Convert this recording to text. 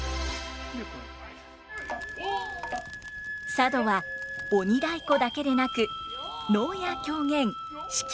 佐渡は鬼太鼓だけでなく能や狂言四季